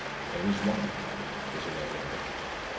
There is One : is there any other